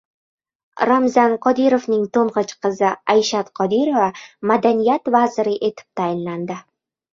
Ramzan Qodirovning to‘ng‘ich qizi Ayshat Qodirova Madaniyat vaziri etib tayinlandi